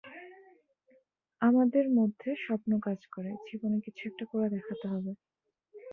আমাদের মধ্যে স্বপ্ন কাজ করে, জীবনে কিছু একটা করে দেখাতে হবে।